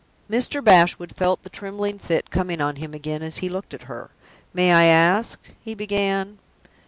Mr. Bashwood felt the trembling fit coming on him again as he looked at her. "May I ask ?" he began.